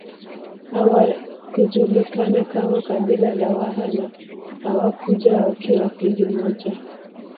Hawakujulikana kama kabila la Waha na hawakuja wakiwa kundi moja